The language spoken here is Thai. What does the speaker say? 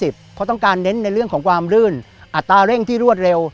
เพราะต้องการเน้นในเรื่องของความรื่นอัตราเร่งที่รวดเร็ว